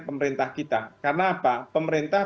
pemerintah kita karena apa pemerintah